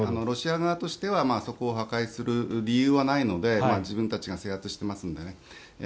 ロシア側としてはそこを破壊する理由がないので自分たちが制圧してますので。